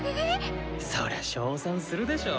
そりゃ称賛するでしょ。